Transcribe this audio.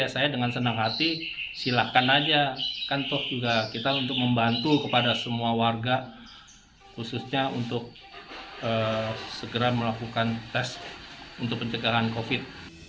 saya dengan senang hati silakan saja kita untuk membantu kepada semua warga khususnya untuk segera melakukan tes untuk pencegahan covid sembilan belas